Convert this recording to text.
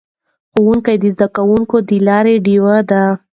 ښوونکي د زده کوونکو د لارې ډیوې دي.